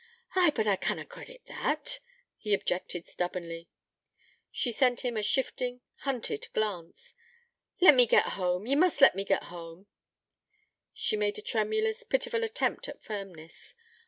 'Ay, but I canna credit that,' he objected stubbornly. She sent him a shifting, hunted glance. 'Let me get home... you must let me get home.' She made a tremulous, pitiful attempt at firmness.